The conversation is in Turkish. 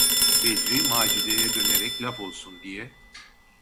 Bedri, Macide’ye dönerek, laf olsun diye: